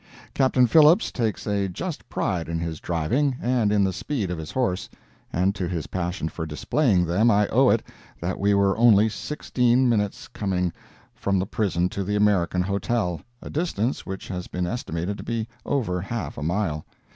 Captain Phillips takes a just pride in his driving and in the speed of his horse, and to his passion for displaying them I owe it that we were only sixteen minutes coming from the prison to the American Hotel—a distance which has been estimated to be over half a mile.